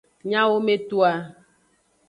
Nyawometoa.